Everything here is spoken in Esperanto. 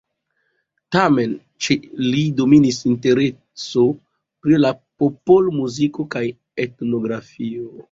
Tamen ĉe li dominis intereso pri la popolmuziko kaj etnografio.